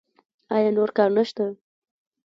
ایا نور کار نشته؟